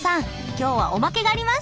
今日はオマケがあります！